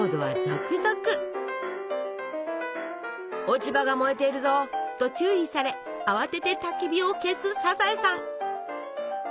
「落ち葉が燃えているぞ！」と注意され慌ててたき火を消すサザエさん。